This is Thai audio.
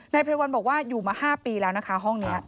ไพรวัลบอกว่าอยู่มา๕ปีแล้วนะคะห้องนี้